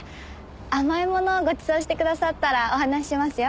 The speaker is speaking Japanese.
甘いものをごちそうしてくださったらお話ししますよ。